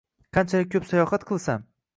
Qanchalik ko‘p sayohat qilsam